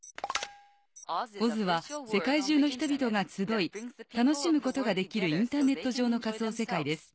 ＯＺは世界中の人々が集い楽しむことができるインターネット上の仮想世界です。